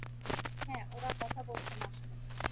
হ্যাঁ, ওরা কথা বলছে না আসলে।